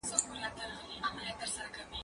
زه پرون زده کړه وکړه